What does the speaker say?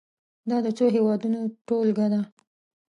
دا د څو هېوادونو ټولګه ده.